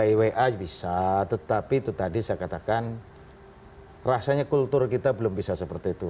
iwa bisa tetapi itu tadi saya katakan rasanya kultur kita belum bisa seperti itu